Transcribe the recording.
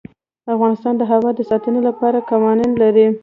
افغانستان د هوا د ساتنې لپاره قوانین لري.